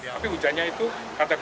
tapi hujannya itu kata bapak tidak bisa